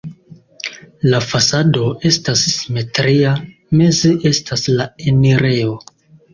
La fasado estas simetria, meze estas la enirejo.